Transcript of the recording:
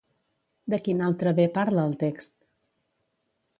De quin altre bé parla el text?